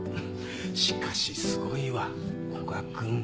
しかしすごいわ古賀君も。